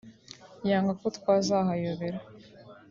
yanga ko twazahayobera